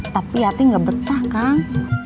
tapi yati gak betah kang